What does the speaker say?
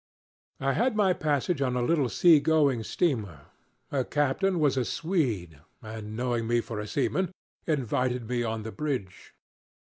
"I had my passage on a little sea going steamer. Her captain was a Swede, and knowing me for a seaman, invited me on the bridge.